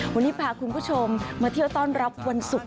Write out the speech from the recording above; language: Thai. วันนี้พาคุณผู้ชมมาเที่ยวต้อนรับวันศุกร์